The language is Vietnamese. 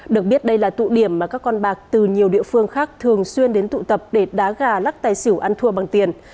được biết đây là tụ điểm mà các con bạc từ nhiều địa phương khác thường xuyên đến tụ tập để đá gà lắc tài xỉu ăn thua bằng tiền